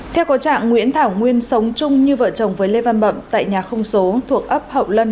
theo có trạng nguyễn thảo nguyên sống chung như vợ chồng với lê văn bậm tại nhà không số thuộc ấp hậu lân